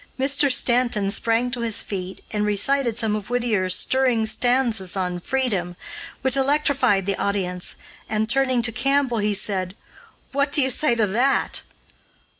Mr. Stanton sprang to his feet and recited some of Whittier's stirring stanzas on freedom, which electrified the audience, and, turning to Campbell, he said: "What do you say to that?"